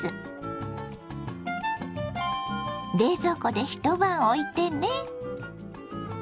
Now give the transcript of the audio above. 冷蔵庫で一晩おいてね。